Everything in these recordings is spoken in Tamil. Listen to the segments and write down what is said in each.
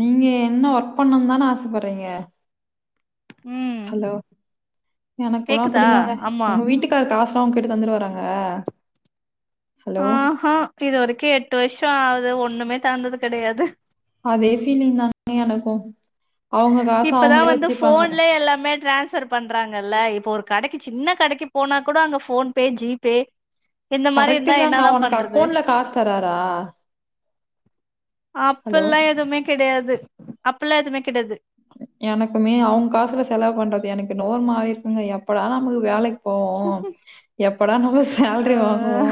நீங்க என்ன ஒர்க் பண்ணுன் தான ஆசப்படுறீங்க ம் ஹலோ எனக் கூட கேக்குதா அப்டிந்தாங்க ஆமா உங்க வீட்டுக்காரு காசுலா உங்கிட்ட தந்துருவாராங்க ஆஹா இது வரைக்கு எட்டு வர்ஷோ ஆவுது ஒண்ணுமே தந்தது கெடையாது அதே ஃபீலிங் தாங்க எனக்கு இப்பதா வந்து ஃபோன்லே எல்லாமே டிரான்ஸ்பர் பண்றாங்கல்ல இப்போ ஒரு கடைக்கி சின்ன கடைக்கி போனா கூட அங்க ஃபோன்பே ஜி பே இந்த மாரி கரெக்ட் இருந்தா தாங்க என்னதா ஒனக்கு பண்றது அக்கவுண்ட்ல காசு தராரா ஹலோ! அப்பெல்லா எதுமே கெடையாது அப்பெல்லா எதுமே கெடையாது எனக்குமே அவுங் காசுல செலவு பண்றது எனக்கு என்னவோ ஒரு மாரி இருக்குங்க எப்படா நம்ளுக்கு வேலைக் போவோ எப்படா நம்ம ஆ சேல்ரி வாங்குவோ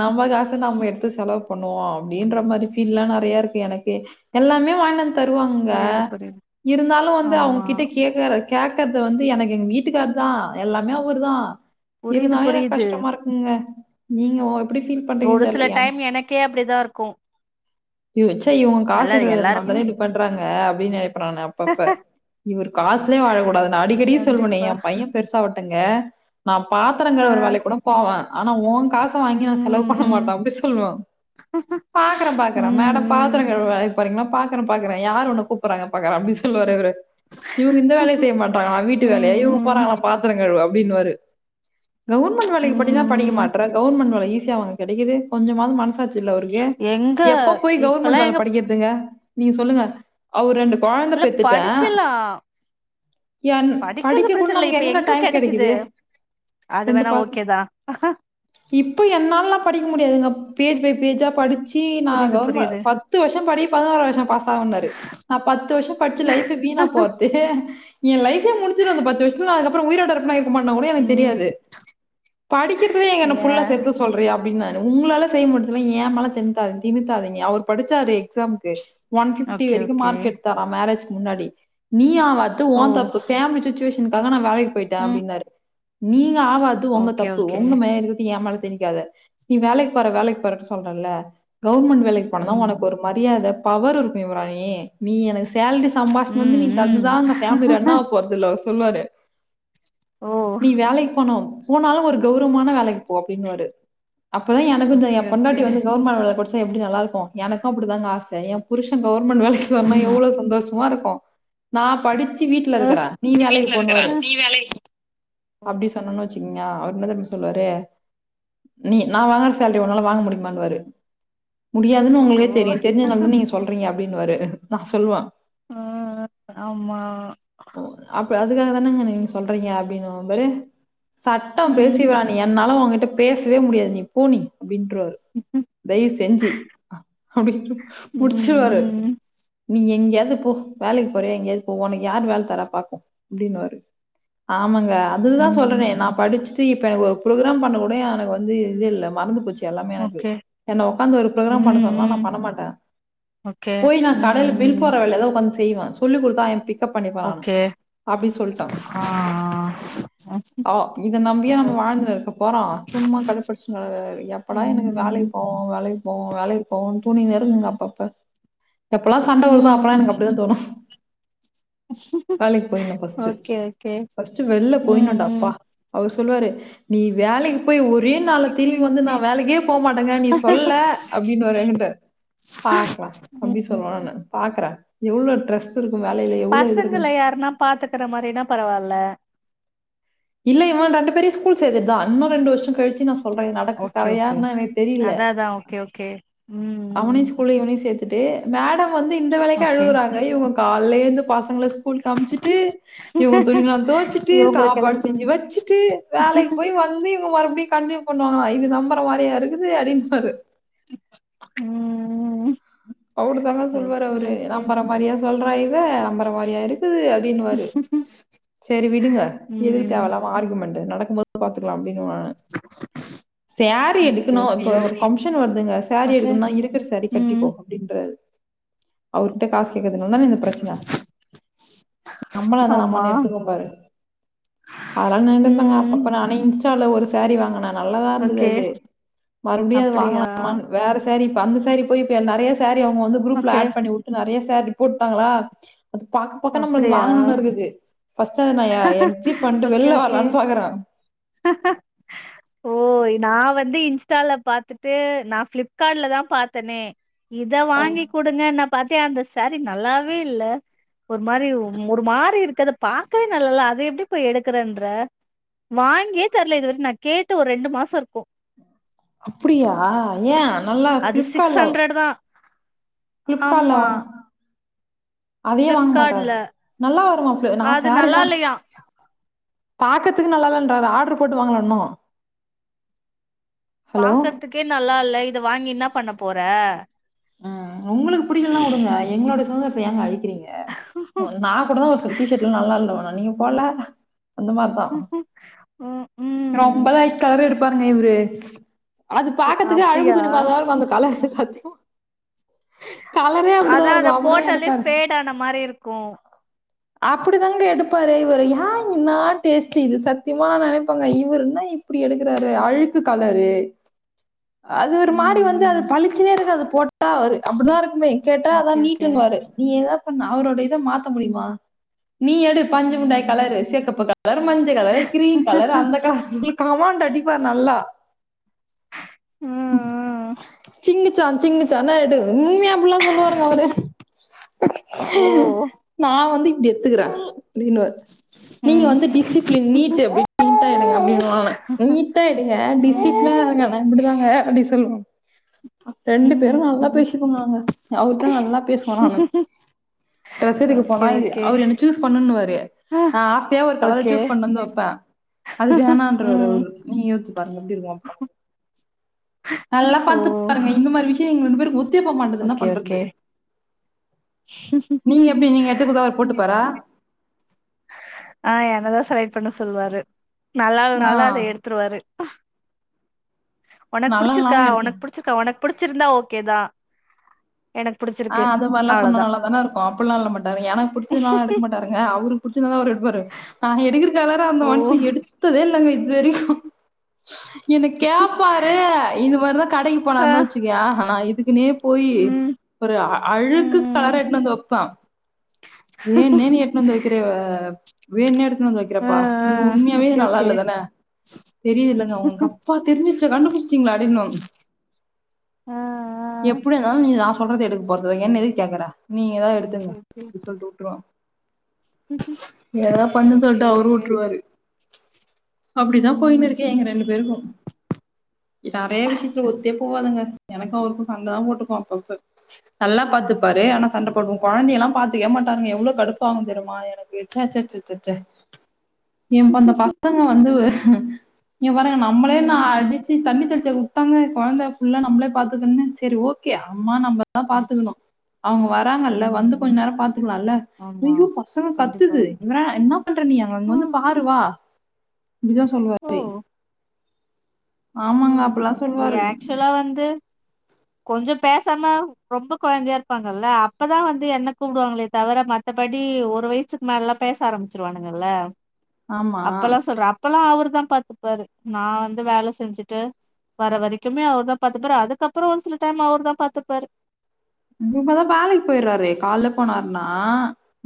நம்ம காசு நம்ம எடுத்து செலவு பண்ணுவோ அப்டின்ற மாரி ஃபீல்லா நறைய இருக்கு எனக்கு எல்லாமே வாய்ன்டு வந்து தருவாங்க புரியுது புரியுது இருந்தாலு வந்து ஆமா அவுங்கிட்ட கே கேக்குறது வந்து எனக்கு எங்க வீட்டுக்கார் தா எல்லாமே அவுருதா புரியுது இருந்தாலு எனக்கு புரியுது கஷ்டமாருக்குங்க நீங்க எப்டி ஃபீல் பண்றீங்கன் தெர்ல ஏ கே அப்டிதாருக்கு இவ் வச்சா காசுருக்குகறதுனால தான எல்லாருக்குமே இப்டி பண்றாங்க அப்டின்னு நெனப்ப நானு அப்பப்ப இவரு காசுலே வாழக்கூடாது நா அடிக்கடி சொல்வனே கண்டிப்பா ஏ பையே பெருசாவுட்டுங்க நா பாத்தரோ ஆ கழுவுற வேலைக் கூட போவே ஆனா ஓ காஸ் ச வாங்கி நா ம் செலவு பண்ண ம் மாட்டே அப்டி சொல்வே பாக்கறே பாக்கறே மேடம் பாத்தர ம் கழுவ வேலக்கி போறீங்ளா பாக்கறே பாக்கறே யாரு ஒன்ன கூப்பறாங்க பாக்கறே அப்டி சொல்லுவாரு அவரு இவரு இந்த வேலய ம் செய்ய மாட்டாங்களா வீட்டு வேலய இவங்க ம் ம் போறாங்களா பாத்தர கழுவ அப்டின்னுவாரு கவுர்மண்ட் வேலைக்கி படினா படிக்க ம் மாட்ற கவுர்மெண்ட் வேல ஈஸியா அவங்க கெடைக்கிது கொஞ்சமாவது மனசாச்சி இல்ல அவுருக்கு எங்க எப்ப போய் கவுர்மெண்ட் இப்பல்லா வேல எங்க படிக்கிறதுங்க நீங்க சொல்லுங்க அவுரு ரெண்டு கொழந்த இல்ல பெத்துட்டா படிக்கலா என் படிக்கிறது படிக்க கூட பிரச்சன இல்ல நம்க்கு இப்ப எங்க டைம் கெடைக்குது கெடைக்கிது அது வேணா ஓகேதா இப்போ என்னால்லா படிக்க முடியாதுங்க பேஜ் பை பேஜா படிச்சி நா புரியுது கவர்ம புரியுது பத்து வர்ஷ படி பதினோரா வர்ஷ பாசாவனாரு நா பத்து வர்ஷ படிச்சி லைஃபு வீணா போற துக்கு எ லைஃபே முடிச்சிரு அந்த பத்து வர்ஷத்துல நா அதுக்கப்பற உயிரோட இருப்பனா இல் லன்னன்னா கூட எனக்கு ம் தெரியாது படிக்கிறதுல என்ன யா ஃபுல்லா செத்து சொல்றியா அப்டின் நானு உங்ளால செய்ய முடிலனா ஏ மேல தின் தா தினுத்தாதீங்க அவர் படிச்சாரு எக்ஸாம்க்கு ஒன் ஃபிஃப்டி ஓகே வரிக்கு ஓகே மார்க் எடுத் தாரா மேரேஜ்கு முன்னாடி நீ ஆவாது ஓ தப்பு ஃபேமிலி சுச்சுவேஷன்காக நா வேலை க்கு போய்ட்டே ம் அப்டின்னாரு நீங்க ஆவாது ஒங்க ஓகே தப்பு ஓகே ஒங்க மேல இது ஏ மேல தெணிக்காத நீ வேலைக் போற வேலைக் போறன்னு சொல்றல்ல கவுர்மெண்ட் வேலைக் போனனா ம் ஒனக்கு ஒரு மரியாத பவர் இருக்கு யுவராணி நீ எனக்கு சேலரி சம்பாரிச்சினு வந்து ம் நீ ம் தந்துதா அந்த ஃபேமிலி ரான் ஆவபோறதுல்ல அவரு சொல்லுவாரு ஓ நீ வேலைக்கு போனா போனாலு ஒரு கெளரவமான வேலைக்கு போ அப்டின்னுவாரு அப்போதா எனக்குத எ ஓகே ஓகே பொண்டாட்டி வந்து கவர்மெண்ட் வேலய கடிச்சா எப்டி நல்லா இருக்கு எனக்கு அப்டிதாங்க ஆச எ புருஷ கவர்மெண்ட் வேலைக்கு சொன்னா ம் எவ்வளோ சந்தோஷமா இருக்கு நா படிச் சு வீட்டுல இருக்குறா நீ வேலைக்கு வீட்ல இருக்கறா போண்ணுவாரு நீ வேலைக்கு ஓ அப்டி சொன்னம்னு வெச்சுக்கீங்கயே அவர் [unintelligible] சொல்லுவாரு நீ நா வாங்குற சேலரி உன்னால வாங்க முடியுமான்னுவாரு முடியாதுன்னு உங்களுக்கே ஓஹோ தெரியு தெரிஞ்சதுனால தான நீங்க சொல்றீங்க அப்டின்னுவாரு நா சொல்லுவ ஆ ஆமா அப்ப அதுக்காகதானேங்க நீங்க சொல்றீங்க அப்டின்னுவ பாரு சட்டோ ம் பேசிவிரா நீ என்னால உங்கிட்ட பேசவே முடியாது நீ போனி அப்டின்ருவாரு [unintelligible] தயவு செஞ்சு அப்டின்னு ம் முடிச்சுவாரு ம் நீ எங்கேயாவது போ வேலைக்கு போறியா எங்கயாவது போ உனக்கு யார் வேல தரா பாப்போ அப்டின்னுவாரு ஆமாங்க ஆ அதுதா ம் சொல்றேனே நா படிச்சுட்டு இப்ப எனக்கு ஒரு புரோக்ராம் பண்ண கூட எனக்கு வந்து இது இல்ல மறந்து போச்சு எல்லாமே எனக்கு ஓகே இப்ப என்ன ஒக்காந்து ஒரு ப்ரோக்ராம் பண்ண ம் சொன்னா நா ம் பண்ண மாட்டே ஓகே போய் நா ம் கடைல பில் ம் போட்ற வேலையதா ஒக்ந்து சு செய்வே சொல்லிக் குடுத்தா எ பிக்கப் பன்னிப்பே நானு ஓகே அப்டி சொல்ட்ட ஆ ஆ ஆ இத நம்பியா நம்ம வாழ்ந்து இருக்க போறோ சும்மா கடுப்பிடிச்சு எப்பட எனக்கு ம் வேலைக்கு போ வேலைக்கு போனோ வேலைக்கு போனோன் தோனினேருங்கங்க அப்பப்ப எப்பல்லா சண்ட வருதோ அப்பல்லா ம் எனக்கு அப்டிதா தோணு வேலைக்கு போயினு ஃபர்ஸ்ட்டு ஓகே ஓகே ஃபர்ஸ்ட்டு வெளில ம் போயினுடா அப்பா ம் அவர் சொல்லுவாரு நீ வேலைக்கு போய் ஒரே நாள்ல திரும்பி வந்து நா வேலைக்கே போமா டே நீ சொல்ல அப்டின்னுவார் எகிட்ட பாக்லா அப்டி ம் சொல்லுவ ங்க பாக்குறே எவ்ளோ ட்ரஸ்ட் இருக்கு வேலையில எவ்வளோ இது இருக்கு பசங்கள யாருன்னா பாத்துக்கற மாரினா பரவால்ல இல்ல இவெ ரெண்டு பேரையு ஸ்கூல் சேத்துட்டுதா இன்னு ரெண்டு வருஷொ கழிச்சு நா சொல்றே இது நடக்கு ஓகே ஓகே கறையான்னு எனக்கு தெரில அதா அதா ஓகே ஓகே ம் அவனையு ம் ஸ்கூல்ல இவனையு சேத்துட்டு மேடம் வந்து இந்த வேலைக்கே ஓகே அழுகுறாங்க இவங்க கால்ல ஏந்து பசங்கள ஸ்கூல்க்கு அமிச்சிட்டு இவங்க துணிலா தொவச்சிட்டு இவங்களுக்கெல்லா சாப்பாடு செஞ்சு வச்சுட்டு வேலைக்கு போய் வந்து இவங்க மறுபடியு கண்டினியூ பண்ணுவாங்களா இது நம்புற மாரியா இருக்குது அப்டிம்பாரு ம் ம் ம் அப்டிதாங்க சொல்லுவாரு அவரு நம்புற மாரியா சொல்றா இவ நம்புற மாரியா இருக்குது அப்டின்னுவாரு சரி விடுங்க எதுக்கு ம் தேவெல்லாம ஆர்க்யுமெண்ட் நடக்கும்போது பாத்துக்கலா அப்டின்னுவா சேரீ ஓகே எடுக்கணு ஓகே இப்போ ஒரு ஃபங்க்ஷன் வருதுங்க சாரீ ஓகே எடுக்கணுனா இருக்கிற சேரீ கட் ம் அப்டின்றாரு அவர்கிட்ட காசு கேக்குதுனால தானே இந்த பிரச்சன நம்மளான ஆமா நம்மனு எடுத்துக்கோப்பாரு அதெல்லா நெனைப்பாங்க அப்ப ம் ப்போ நான் இன்ஸ்டாவால ஒரு சாரீ வாங்கினே நல்லதா இருந்தது ஓகே அது மறுபடியு அது அப்டியா வாங்கலாமான் வேற சேரீ இப்ப அந்த சேரீ போய் இப்ப நெறைய சேரீ அவங்க வந்து குரூப்ல ஓகே ஆட் பண்ணி வு ட்டு நெறய சேரீ போட்டாங்களா அது பாக்க பாக்க நம்மளுக்கு அப்டியா வாங்கணுனு இருக்குது ஃபஸ்ட்ட நா எ எக்ஸிட் பண்ட்டு ஓகே வெள்ல ஓகே வரலான்னு பாக்குறே [unintelligible] [unintelligible] ஓய் நா வந்து இன்ஸ்டால பாத்துட்டு நா ஃப்ளிப்கார்ட்லதா பாத்தேனே இத அ வாங்கி குடுங்கன்ன பாத்தே அந்த சாரீ நல்லாவே இல்ல ஒரு மாரி ஒரு மாரி இருக்கு பாக்கவே நல்லல்ல அத எப்டி போய் எடுக்குறேன்ற வாங்கியே தரல இதுவரைக்கு நா கேட்டு ஒரு ரெண்டு மாசோ இருக்கு அப்புடியா ஏ நல்லா அது சிக்ஸ் ஃப்ளிப்கார்ட்ல ஹண்ட்ரட் தா ஃப்ளிப்கார்ட்ல ஆமா வாங்க அதே வாங்க மாட்டார் ஃப்ளிப்கார்ட்ல நல்லா வருமா அப்ல நா அது நல்லா சேரிலா இல்லையா பாக்கறக்கு நல்லாதான்றார் ஆட்ரு போட்டு வாங்கல இன்னு பாக்குறதுக்கே நல்லா இல்ல இத வாங்கி என்ன பண்ண போற ம் உங்களுக்கு புடிக்கல்லனா உடுங்க எங்களோட சுதந்திரத்த ஏங்க அழிக்கிறீங்க நா கூடத்தா ஒரு சில டிஷர்ட்லா நல்லால்லோனா நீங்க போல அந்த மார்தா ம் ரொம்ப ம் லைட் கலர் எடுப்பாருங்க இவ்ரு அது ஓகே பாக்கதுக்கே அழுக்கு அப்டியா துணி மாரிதா அந்த கலரே சத்தியம கலரே அப்டிதா அதா இருக்கு அத அப்டிதா போட்டாலே எடுப்பாரு ஃபேட் ஆன மாரி இருக்கு அப்டி தாங்க எடுப்பாரு இவரு ஏ இன்னா டேஸ்ட் இது சத்தியமா நா நெனைப்பங்க இவரு என்ன இப்டி எடுக்குறாரு அழுக்கு கலரு அது ஒரு ம் மாரி வந்து அது ம் பளிச்சுனே இருக்காது போட்டா அவரு அப்டிதா இருக்குமே கேட்டா அதா ஓகே ஓகே நீட்டுன்னுவாரு நீ எதா பண்ணு அவரோட இத மாத்த முடியுமா நீ எடு பஞ்சு முண்டாய் ம் கலரு செகப்பு கலர் மஞ்ச கலர் ம் கிரீன் கலர் அந்த கலர் கமாண்ட் அடிப்பார் நல்லா ம் சிங்கிச்சா சிங்கிச்சான்னா எடு உண்மயா அப்டிலா சொல்லுவாருங்க அவரு ஓ நா வந்து இப்டி இரு ந்துக்குற அப்டின்னுவார் நீங்க ம் வந்து டிசிப்ளின் நீட் அப்டி நீட்டா எடுங்க அப்டின்னுவாங்க நீட்டா எடுங்க ம் டிசிப்ளா இருங்கனா அப்டிதாங்க அப்டி சொல்லுவோ ரெண்டு பேரு நல்லா ம் பேசிப்போங்க நாங்க அவர்தா நல்லா பேசுவானா அண்ணன் டிரஸ் எடுக்க போனா ஓகே இது ஓகே அவர் என்ன சூஸ் பண்ணுனுவாரு ஆ நா ஆசையா ஒரு கலர ஓகே சூஸ் பண்ணுனு வந்து வப்பே அது வேணான்றுவார் ம் அவரு நீங்களே யோஸ்சு பாருங்க எப்டிருக்கு அப்றோ நல்லா ஓ பாத்துக்பாருங்க இந்த மாரி விஷயோ எங்க ரெண்டு பேருக் ஒத் ஓகே ஓகே நீங்க எப்டி நீங்க எடுத்துக் குடுத்தா அவர் போட்டுப்பாரா ஆ என்னதா செலக்ட் பண்ண சொல்லுவாரு ஆ நல்லால்லனாலு அத எடுத் துருவாரு உனக் புடிச்சிருக்கா நல்லனாலு எடுத்துரு உனக் புடிச் சிருக்கா உனக்கு புடிச்சிருந்தா ஓகேதா எனக்கு புடிச்ச ஆ அதுமாரிலா சொன்னா நல்லாதானருக்கு அப்டிலாம்ல்ல மாட்டார் எனக்கு பிடிச்சதுலா எடுக்க மாட்டார் லங்க அவருக்கு புடிச்சிருந்ததா அவர் எடுப்பாரு நா எடுக்கிற கலர அந்த ஓ மனுஷே எடுத்ததே இல்லங்க இதுவரைக்கு என்ன கேப்பாரு இது மாரிதா கடைக்கு ஆ போனாருன்னு வச்சுக்கே நா இதுக்குன்னே போயி ம் ஒரு அ அழுக்கு கலர ம் எடுத்துன்னு வந்து வப்பே வேனுனே நீ எடுதுன்னு வந்து வைக்கிறயே வ வேனுனே எடுத்துன் வந்து வை ஆ க்கிறப்பா ஆ இது உண்மயாவே ஓகே நல்லா ஓகே இல்லதான தெரியிலங்க உங்க அப்பா தெரிஞ்சுச்சா கண்டுபிடிச்டீங்களா அப்டின்னுவங்க ஆ எப்டிருந்தாலு நீ நா சொல்றத எடுக்க போறதுல்ல என்ன எதுக்கு கேக்குற நீங்க ஏதாது ஆ ஓகே எடுத்துக்கங்க ஓகே ஏதா பண்ண ஓகே சொல்ட்டா அவரு ஓகே வுட்ருவாரு அப்டிதா ம் போய்ன்னுருக்கு எங்க ரெண்டு பேருக்கு நெறய விஷயத்துல ஒத்தே போவாதுங்க எனக்கு அவருக்கு சண்டைதா போட்டுக்போம் அப்பப்ப நல்லா பாத்துபாரு ஆனா சண்ட போடுவோம் கொழந்தல்லாம் பாத்துக்கே மாட்டாருங்க எவ்ளோ கடுப்பாகு தெரிமா எனக்கு ச ச ச சச்ச என்ப் அந்த பசங்க வந்து இங்க பாருங்க நம்மளே நா ம் அடிச்சு தண்ணி தெளிச்சாக்கூ பசங்க கொழந்த அப்டிலா நம்மளே பாத்துக்கனுனு சேரி ஓகே அம்மா நம்ம தா ம் பாத்துக்கணும் அவங்க வர்ராங்கல்ல ம் வந்து கொஞ்சோ ம் நேரோ பாத்துக்கலால்ல ஆமா ஐயோ பசங்க கண்டிப்பா கத்துது இவரா என்ன பண்ற நீ அங்க வந்து ம் பார் ருவா இப்டிதா சொல்லுவா [inaudible] ஓ டி ஆமாங்க ம் அப்டில்லாம் ம் ஏ சொல்லுவாரு ஆக்சுவலா வந்து [inaudible] கொஞ்சோ பேசாம ரொம்ப கொழந்தயா இருப்பாங்கல்ல அப்பதா வந்து என்ன கூப்டுவாங்களே தவிர மத் மத்தபடி ஒரு வயசுக்கு மேலலா பேச ஆரம்பிச்சிருவானுங்கல்ல ஆமா அப்பெல்லா சொல்றே அப்பெல்லா அவருதா பாத்துக்ப்பாரு நா வந்து வேல செஞ்சுட்டு வர வரைக்குமே அவர்தா பாத்துக்பாரு அதுக்கப்றோ ஒரு சில டைம் அவர்தா பாத்துக்பாரு இவங்கதா வேலைக்கு போய்றாரே காலைல போனாருனா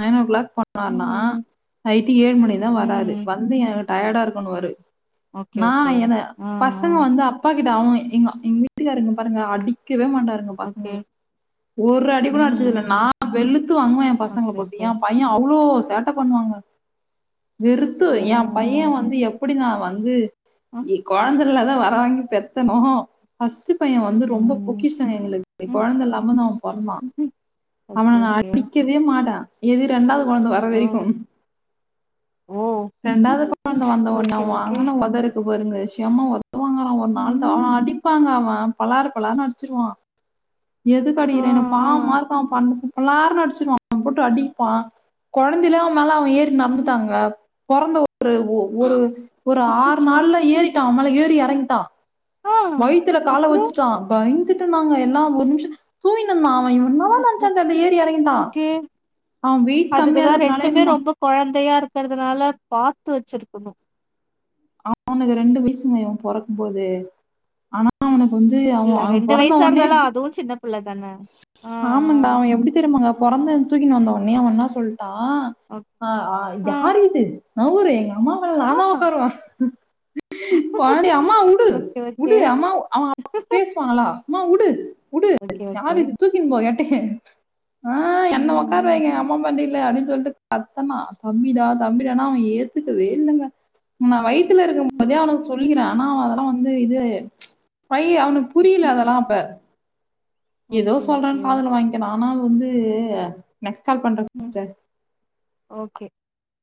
நைன் ஓ கிளாக் போனாருனா ம் ம். நைட்டு ஏழு மணிக்குதா வராரு ம். வந்து எனக்கு டயர்டாருக்குன்னுவாரு ஓகே, நா ஓகே. என ஆ, ஆ. பசங்க வந்து அப் பா கிட்ட அவன் எங்க எங்க வீட்டுக்காருங்க பாருங்க அடிக்கவே மாட்டாருங்க ஓகே. பசங்கள ஒரு அடிகூட அடிச்சதில்ல ம், நா ம். வெளுத்து வாங்குவே என் பசங்கள ஓகே, போட்டு ஓகே. ஏன் பை யே அவ்ளோ சேட்ட பண்ணுவாங்க வெறுத்து ஏம் பையே ம், வந்து எப்டி நா வந்து ம். கொழந்தைலதா ம், வரோ ம். வாங்கி பெத்தனோ ஃபஸ்ட்டு பைய வந்து ரொம்ப பொக்கிஷோ எங்களுக்கு ம். கொழந்த இல்லாம அவன்பொறந்தா ம். அவன ஓகே, நா ஓகே. அடிக்கவே மாட்டே எது ரெண்டாவது கொழந்த வர்ர ஓ! வரைக்கு ஓ ரெண்டாவது குழந்த வந்தவ உன ஓகே, ஓகே. வாங்கன உத இருக்கு பாருங்க செம உத வங்கானான் ஒரு நாள் த அவ ம். அடிப்பாங்க அவன் பலார் பலாரு அடிச்சிருவா எது ஆ, அடிக்றேன பா பாவமா ஆ. இருக்கு அவ பண்ணது பளார்னு அடிச்சுடுவா அவ போட்டு அடிப்பா குழந்தையில அவ மேல அவ ஏறி ம். நந்துட்டாங்க பொறந்த ஒரு ஒரு ஒரு ஆறு அச்சச்சோ! நாள்லயே அவ மேல ஏறி இறங்கிட்டா ஆ வயித்துல கால அப்புறம்? வச்சுட்டா பயந்துட்டு நாங்க எல்லா ஒரு நிமிஷோ தூங்கிடுந்தா அவ என தா அச்சச்சோ! நினைச்சா தெர்ல ஏறி இறங்கிடா ஓகே. அவ வெயிட் கம்மியா இருக்குறதுனாலயே என்னமோ கொழந்தையா இருக்கிறதுனால பாத்து வச்சிருக்கணு அ அவனுக்கு ரெண்டு வயசுங்க இவ பொறக்குபோது ஆனா அவனுக்கு வந்து அவ அவ பொறந்த ஓனே அதுவு சின்ன புள்ள தான ஆ, ஆமான்டா அவ எப்டி தெரியமாங்க பிறந்த தூக்கின்னு வந்த உனே அவ எனா சொல்ட்டா ஆ யார் இது நவ்ரு எங்க அம்மாமேல நாதா ஆ. உக்காருவே கொழந்தய அம்மா உடு ஓகே, ஓகே. உடு அம்மா அவ அப்ப பேசுவா நல்லா அம்மா உடு உடு ஓகே, யாரு ஓகே. இது தூக்கின் போ எட்டகே ஆ என உக்கார ம், வைங்க எங்க அம்மா மடி ல்ல அப்டின்னு சொல்லிட்டு கத்தனா தம்பிடா தம்பிடானா அவ ஏத்துக்கவே இல்லங்க நா வயித் துல இருக்குபோதே ம். அவன் சொல்லிக்கிறே ஆனா அதெல்லா வந்து இது பைய் அவனுக்கு புரியல ம். அதெல்லா அப்ப ஏதோ ஓகே, ஓகே. சொல்றேன்னு காதுல வாங்கிக்கினா ஆனா வந்து நெக்ஸ்ட் கால் பண்றே ம். Sister okay